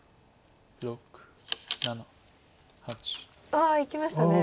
ああいきましたね。